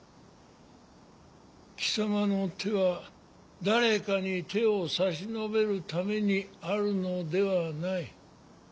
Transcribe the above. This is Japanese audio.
貴様の手は誰かに手を差し伸べるためにあるのではない。